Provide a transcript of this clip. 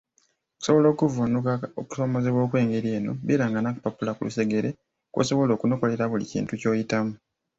Okusobola okuvvuunuka okusoomoozebwa okw’engeri eno, beeranga n’akapapula ku lusegere kw’osobola okunokoleranga buli kintu ky’oyitamu.